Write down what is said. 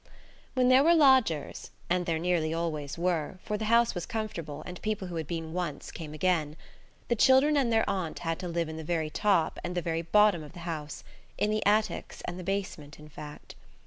When there were lodgers–and. there nearly always were, for the house was comfortable, and people who had been once came again–the children and their aunt had to live in the very top and the very bottom of the house–in the attics and the basement, in fact.